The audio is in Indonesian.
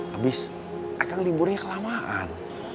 habis akang liburnya kelamaan